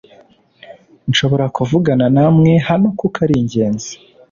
Nshobora kuvugana nawe hano kuko ari ingenzi